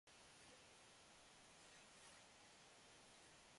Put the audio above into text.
그 밤을 무사히 지낸 그들은 다음날 정오쯤이나 되어 눈을 떴다.